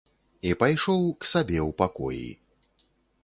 І пайшоў к сабе ў пакоі.